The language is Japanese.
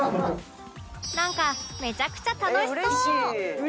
なんかめちゃくちゃ楽しそう！